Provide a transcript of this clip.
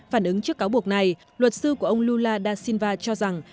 phản ứng trước cáo buộc này luật sư của ông lula da silva cho rằng